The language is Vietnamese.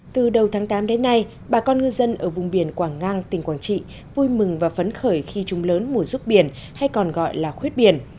từ đầu tháng tám đến nay bà con ngư dân ở vùng biển quảng ngang tỉnh quảng trị vui mừng và phấn khởi khi trung lớn mùa ruốc biển hay còn gọi là khuyết biển